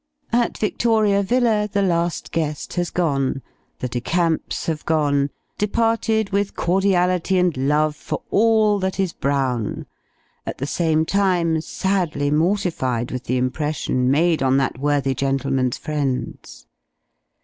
At Victoria Villa the last guest has gone: the De Camps have gone departed with cordiality and love for all that is Brown, at the same time sadly mortified with the impression made on that worthy gentleman's friends.